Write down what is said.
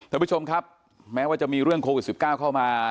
ท่านผู้ชมครับแม้ว่าจะมีเรื่องโควิด๑๙เข้ามา